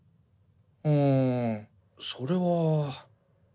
んそれは。